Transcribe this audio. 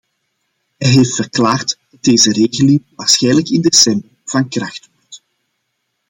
Hij heeft verklaard dat deze regeling waarschijnlijk in december van kracht wordt.